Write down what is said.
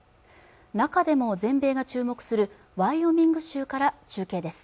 中でも全米が注目するワイオミング州から中継です